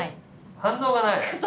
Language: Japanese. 反応がない！